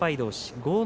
豪ノ